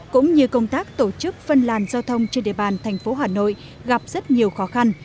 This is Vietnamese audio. cũng như công tác tổ chức phân làn giao thông trên địa bàn thành phố hà nội gặp rất nhiều khó khăn